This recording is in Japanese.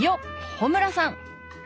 穂村さん！